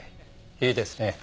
いいですね？